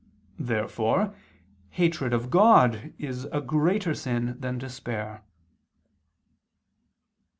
Therefore hatred of God is a greater sin than despair.